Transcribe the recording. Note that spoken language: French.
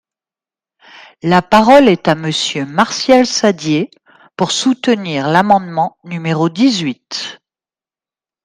La parole est à Monsieur Martial Saddier, pour soutenir l’amendement numéro dix-huit.